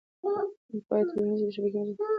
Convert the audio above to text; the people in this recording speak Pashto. باید ټولنیز شبکې د مطالعې لپاره وکارول شي.